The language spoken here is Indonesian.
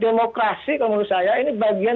demokrasi kalau menurut saya ini bagian